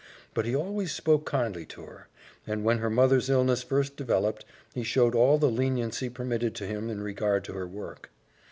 But he always spoke kindly to her, and when her mother's illness first developed, he showed all the leniency permitted to him in regard to her work.